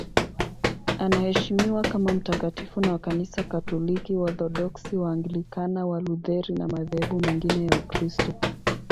Anaheshimiwa kama mtakatifu na Kanisa Katoliki, Waorthodoksi, Waanglikana, Walutheri na madhehebu mengine ya Ukristo.